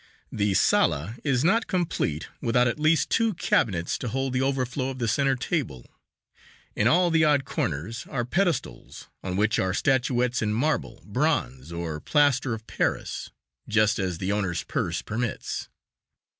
The sala is not complete without at least two cabinets to hold the overflow of the center table. In all the odd corners are pedestals on which are statuettes in marble, bronze, or plaster of Paris, just as the owner's purse permits.